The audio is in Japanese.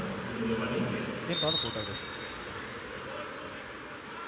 メンバーの交代です。